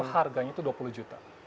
harganya itu dua puluh juta